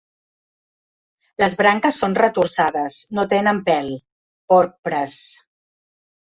Les branques són retorçades, no tenen pèl, porpres.